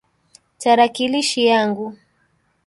Tarakilishi yangu.